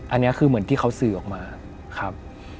อันนี้คือเหมือนที่เขาสื่อออกมาครับ